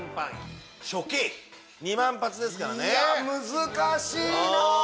難しいなぁ。